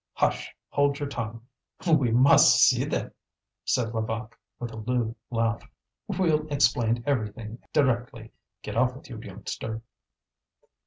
"Hush! hold your tongue! We must see them," said Levaque, with a lewd laugh. "We'll explain everything directly. Get off with you, youngster."